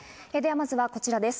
まずはこちらです。